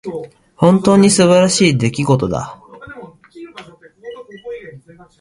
本当に素晴らしい出来事だ。